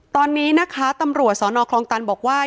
ตอนนี้นะคะตำรวจสนคลองตันบอกว่า